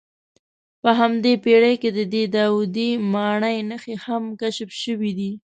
په همدې پېړۍ کې د دې داودي ماڼۍ نښې هم کشف شوې دي.